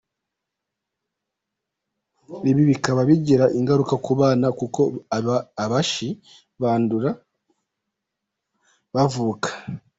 Ibi bikaba bigira ingaruka ku bana kuko abanshi bandura bavuka.